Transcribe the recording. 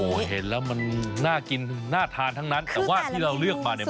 เห็นแล้วมันน่ากินน่าทานทั้งนั้นแต่ว่าที่เราเลือกมาเนี่ย